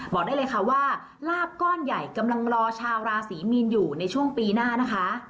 บอกได้เลยค่ะว่าลาบก้อนใหญ่กำลังรอชาวราศรีมีนอยู่ในช่วงปีหน้านะคะ